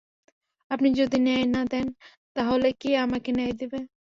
আপনি যদি ন্যায় না দেন, তাহলে কে আমাকে ন্যায় দেবে।